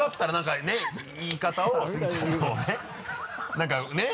何かねぇ？